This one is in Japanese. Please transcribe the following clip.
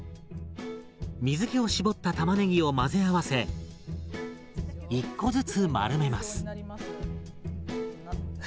水けを絞ったたまねぎを混ぜ合わせ１個ずつ丸めます。